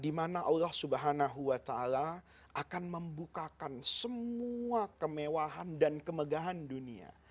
dimana allah subhanahu wa ta'ala akan membukakan semua kemewahan dan kemegahan dunia